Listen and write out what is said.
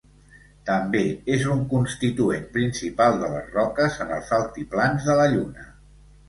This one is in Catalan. També és un constituent principal de les roques en els altiplans de la Lluna.